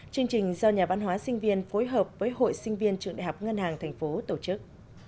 chương trình do nhà văn hóa sinh viên phối hợp với hội sinh viên trượng đại học ngân hàng tp tổ chức